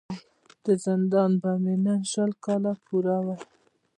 د زندان به مي نن شل کاله پوره وای